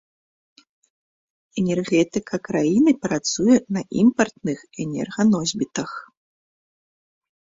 Энергетыка краіны працуе на імпартных энерганосьбітах.